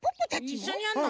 いっしょにやるの？